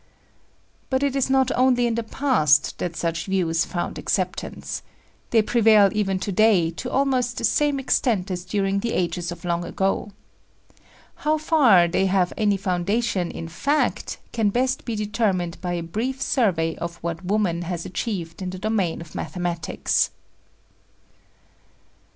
But it is not only in the past that such views found acceptance. They prevail even to day to almost the same extent as during the ages of long ago. How far they have any foundation in fact can best be determined by a brief survey of what woman has achieved in the domain of mathematics.